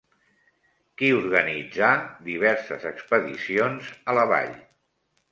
Qui organitzà diverses expedicions a la vall?